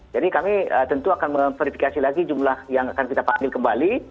jadi kami tentu akan memverifikasi lagi jumlah yang akan kita panggil kembali